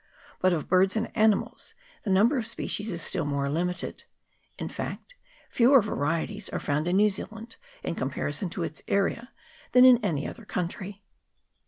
But of birds and animals the number of species is still more limited ; in fact, fewer varieties are found in New Zealand, in comparison to its area, than in any other country.